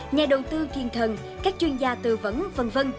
nhà đầu tư thiên thần các chuyên gia tư vấn v v